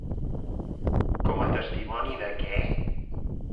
Com a testimoni de què?